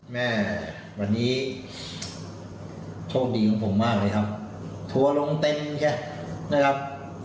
แม่วันนี้โชคดีของผมมากเลยครับทัวร์ลงเต็มแค่นะครับ